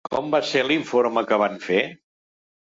Com va ser l'informe que van fer?